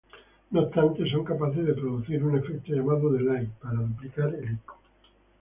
No obstante, son capaces de producir un efecto llamado delay, para duplicar el eco.